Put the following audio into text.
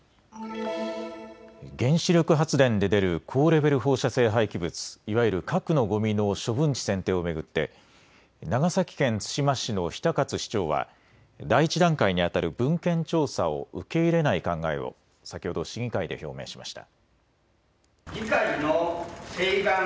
原子力発電で出る高レベル放射性廃棄物、いわゆる核のごみの処分地選定を巡って長崎県対馬市の比田勝市長は第１段階にあたる文献調査を受け入れない考えを先ほど市議会で表明しました。